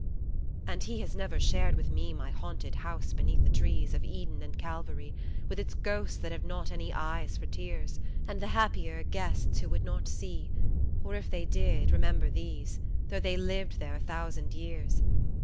And He has never shared with me my haunted house beneath the trees Of Eden and Calvary, with its ghosts that have not any eyes for tears, And the happier guests who would not see, or if they did, remember these, Though they lived there a thousand years.